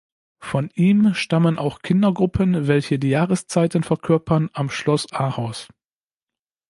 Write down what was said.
Von ihm stammen auch Kindergruppen, welche die Jahreszeiten verkörpern, am Schloss Ahaus.